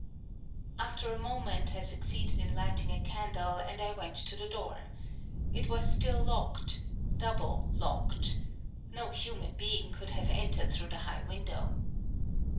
After a moment, I succeeded in lighting a candle, and I went to the door. It was still locked, double locked. No human being could have entered through the high window.